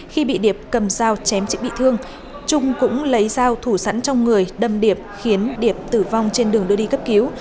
khi bị điệp cầm dao chém chị bị thương trung cũng lấy dao thủ sẵn trong người đâm điệp khiến điệp tử vong trên đường đưa đi cấp cứu